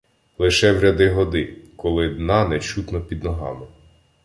Лише вряди-годи, коли дна не чутно під ногами